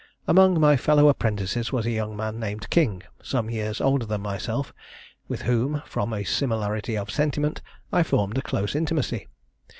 "Among my fellow apprentices was a young man named King, some years older than myself, with whom, from a similarity of sentiment, I formed a close intimacy.